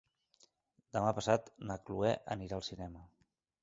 Demà passat na Chloé anirà al cinema.